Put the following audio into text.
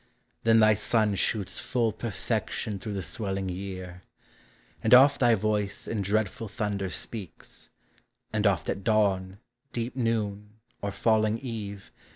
Then thy sun Shoots full perfection through the swelling year; And oft thy voice in dreadful thunder speaks. And oft at dawn, deep noon, or falling eve.